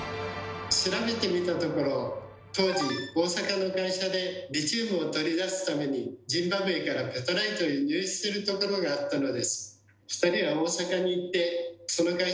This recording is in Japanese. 調べてみたところ当時大阪の会社でリチウムを取り出すためにジンバブエからペタライトを輸入してるところがあったのです。